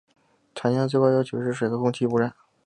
常见的最高要求是水和空气污染。